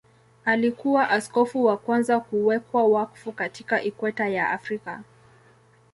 Alikuwa askofu wa kwanza kuwekwa wakfu katika Ikweta ya Afrika.